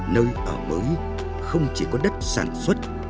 nơi ở mới không chỉ có đất sản xuất